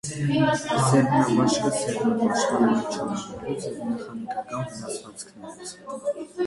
Սերմնամաշկը սերմը պաշտպանում է չորանալուց և մեխանիկական վնասվածքներից։